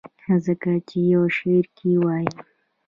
ځکه چې يو شعر کښې وائي :